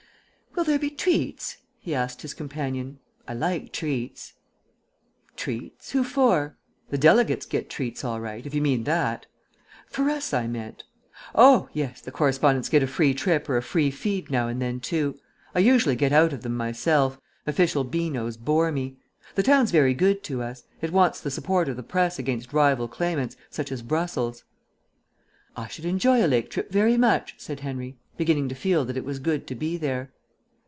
"Will there be treats?" he asked his companion. "I like treats." "Treats? Who for? The delegates get treats all right, if you mean that." "For us, I meant." "Oh, yes, the correspondents get a free trip or a free feed now and then too. I usually get out of them myself; official beanos bore me. The town's very good to us; it wants the support of the press against rival claimants, such as Brussels." "I should enjoy a lake trip very much," said Henry, beginning to feel that it was good to be there.